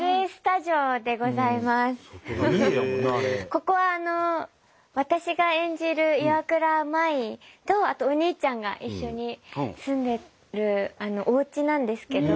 ここは私が演じる岩倉舞とあとお兄ちゃんが一緒に住んでるおうちなんですけど。